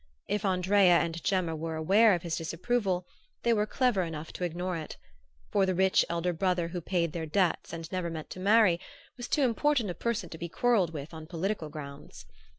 If Andrea and Gemma were aware of his disapproval they were clever enough to ignore it; for the rich elder brother who paid their debts and never meant to marry was too important a person to be quarrelled with on political grounds.